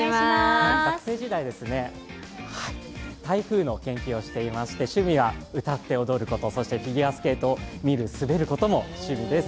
学生時代、台風の研究をしていまして、趣味は歌って踊ること、そしてフィギュアスケートを見る、滑ることも趣味です。